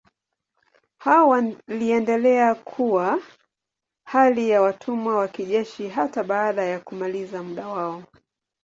Hao waliendelea kuwa hali ya watumwa wa kijeshi hata baada ya kumaliza muda wao.